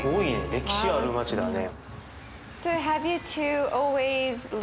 歴史ある街だね。